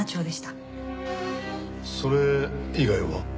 それ以外は？